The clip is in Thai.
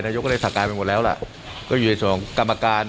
ก็ได้สั่งการไปหมดแล้วล่ะก็อยู่ในส่วนของกรรมการ